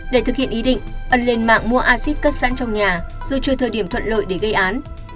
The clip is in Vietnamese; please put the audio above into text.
để thực hiện ý định ân lên mạng mua acid cất sẵn trong nhà rồi chơi thời điểm thuận lợi để gây án